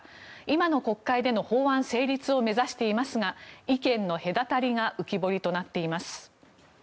今の国会での法案成立を目指していますが意見の隔たりが浮き彫りとなっています。